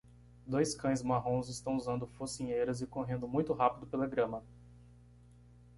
Dois cães marrons estão usando focinheiras e correndo muito rápido pela grama.